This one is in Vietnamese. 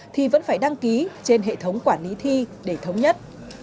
thì vẫn phải đăng ký trên hệ thống quản lý thi để thống nhất